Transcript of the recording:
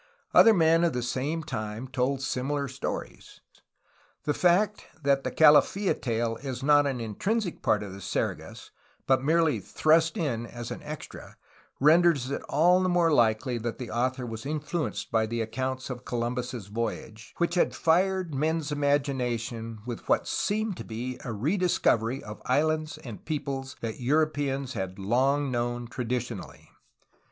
Other men of the same time told similar stories. The fact that the Calafla tale is not an intrinsic part of the Sergas, but merely thrust in as an extra, renders it all the more likely that the author was influenced by the accounts of Columbus' voyage, which had fired men's imaginations with what seemed to be a rediscovery of islands and peoples that Europeans had long known traditionally.